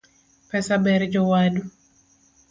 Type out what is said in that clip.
Pesa ber jowadu